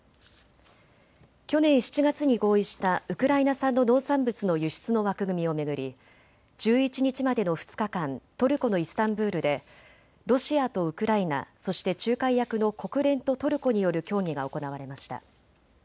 去年７月に合意したウクライナ産の農産物の輸出の枠組みを巡り１１日までの２日間、トルコのイスタンブールでロシアとウクライナ、そして仲介役の国連とトルコによる協議が行われました。